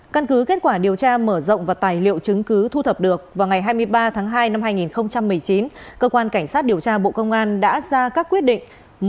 căn cứ kết quả điều tra mở rộng và tài liệu chứng cứ thu thập được vào ngày hai mươi ba tháng hai năm hai nghìn một mươi chín cơ quan cảnh sát điều tra bộ công an đã ra các quyết định